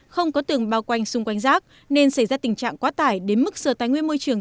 không có tường bao quanh xung quanh rác nên xảy ra tình trạng quá tải đến mức sở tài nguyên môi trường